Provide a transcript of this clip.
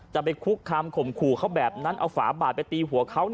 จะไปคุกคำข่มขู่เขาแบบนั้นเอาฝาบาดไปตีหัวเขา